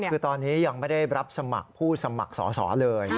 คือตอนนี้ยังไม่ได้รับสมัครผู้สมัครสอสอเลย